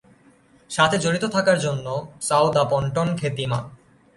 সাথে জড়িত থাকার জন্য সাউদাম্পটন খ্যাতিমান।